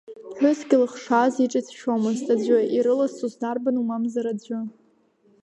Ԥҳәыск илхшаз иҿ ицәшәомызт аӡәы, ирылазҵоз дарбану мамзар аҵәы…